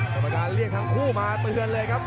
กรรมการเรียกทั้งคู่มาเตือนเลยครับ